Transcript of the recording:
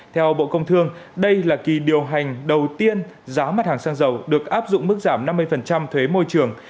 theo bộ công thương đây là kỳ điều hành đầu tiên giá mặt hàng xăng dầu được áp dụng mức giảm năm mươi thuế môi trường